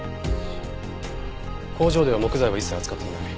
工場では木材は一切扱っていない。